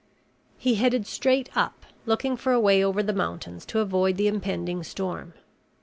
He headed straight up, looking for a way over the mountains to avoid the impending storm.